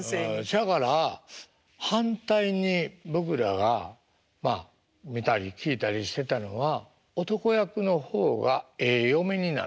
そやから反対に僕らがまあ見たり聞いたりしてたのは男役の方がええ嫁になると。